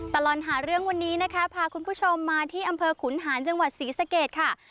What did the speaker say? ตลอดหาเรื่องวันนี้นะคะพาคุณผู้ชมมาที่อำเภอขุนหานจังหวัดศรีสะเกดค่ะ